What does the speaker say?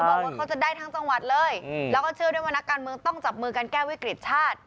บอกว่าเขาจะได้ทั้งจังหวัดเลยแล้วก็เชื่อด้วยว่านักการเมืองต้องจับมือกันแก้วิกฤติชาติ